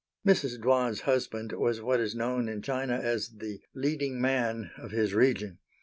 Mrs. Dwan's husband was what is known in China as the "leading man" of his region.